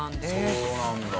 そうなんだ。